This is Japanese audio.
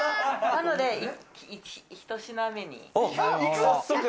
なので１品目に。